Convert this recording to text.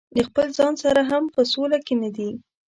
د خپل ځان سره هم په سوله کې نه دي.